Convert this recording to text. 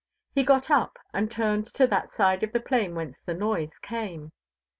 He got up and turned to that side of the plain whence the noise came.